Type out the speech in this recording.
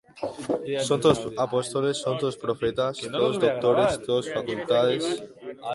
¿Son todos apóstoles? ¿son todos profetas? ¿todos doctores? ¿todos facultades?